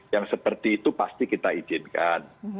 yang seperti itu pasti kita izinkan